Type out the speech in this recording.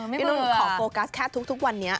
พี่หนุ่มขอโฟกัสแค่ทุกวันนี้